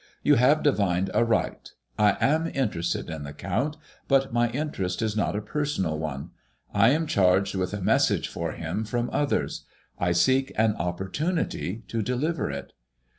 You have divined aright I am interested in the Count, but my interest is not a personal one. I am charged with a message for him from others. I seek an op portunity to deliver it."